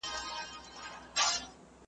له سترگو سرو وینو څڅوب غواړم چې نه ونکړې